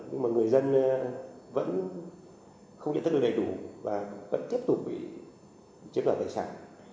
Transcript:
nhưng mà người dân vẫn không nhận thức được đầy đủ và vẫn tiếp tục bị chiếm đoạt tài sản